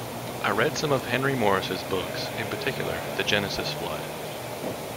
I read some of Henry Morris' books, in particular, "The Genesis Flood".